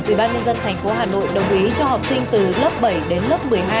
ủy ban nhân dân tp hà nội đồng ý cho học sinh từ lớp bảy đến lớp một mươi hai